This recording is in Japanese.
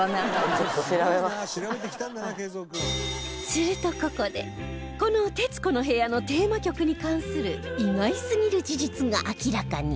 するとここでこの『徹子の部屋』のテーマ曲に関する意外すぎる事実が明らかに